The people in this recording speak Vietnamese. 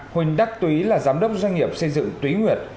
huỳnh đắc túy là giám đốc doanh nghiệp xây dựng túy nguyệt